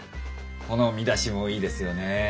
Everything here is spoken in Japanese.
この見出しもいいですよね。